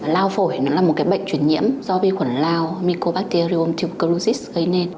lao phổi là một bệnh chuyển nhiễm do vi khuẩn lao mycobacterium tuberculosis gây nên